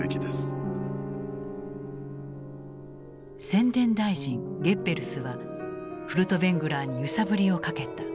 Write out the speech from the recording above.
宣伝大臣ゲッベルスはフルトヴェングラーに揺さぶりをかけた。